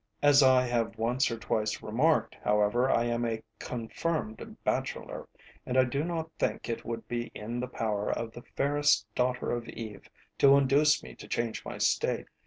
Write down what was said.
As I have once or twice remarked, however, I am a confirmed bachelor, and I do not think it would be in the power of the fairest daughter of Eve to induce me to change my state.